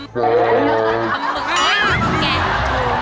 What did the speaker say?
ปะมึกนี่